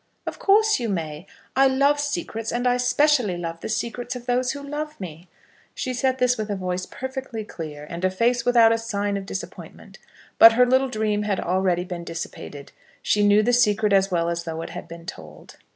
"Of course you may. I love secrets; and I specially love the secrets of those who love me." She said this with a voice perfectly clear, and a face without a sign of disappointment; but her little dream had already been dissipated. She knew the secret as well as though it had been told.